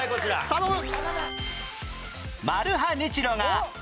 頼む！